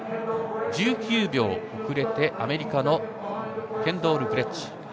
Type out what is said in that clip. １９秒遅れて、アメリカのケンドール・グレッチ。